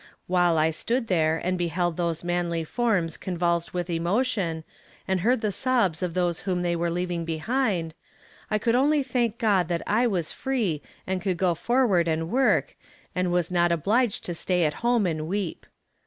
While I stood there and beheld those manly forms convulsed with emotion, and heard the sobs of those whom they were leaving behind, I could only thank God that I was free and could go forward and work, and was not obliged to stay at home and weep.